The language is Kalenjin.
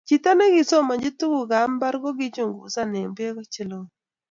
chito ne kisomanchi tuguk ab mbar ko kichungusan eng beko che loen